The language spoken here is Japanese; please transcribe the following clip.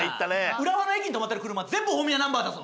浦和の駅に止まってる車全部大宮ナンバーだぞ。